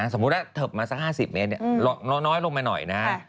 สมมุติว่าเถิบมาสัก๕๐เมตรน้อยลงไปหน่อย